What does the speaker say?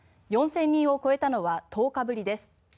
４０００人を超えたのは１０日ぶりです。